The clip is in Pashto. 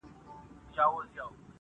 تشه له سرو میو شنه پیاله به وي-